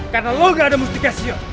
karena lo gak ada mustikasiun